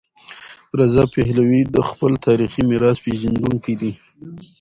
رضا پهلوي د خپل تاریخي میراث پیژندونکی دی.